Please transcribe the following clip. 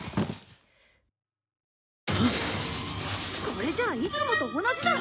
これじゃあいつもと同じだ！